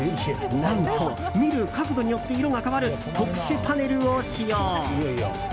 何と見る角度によって色が変わる特殊パネルを使用。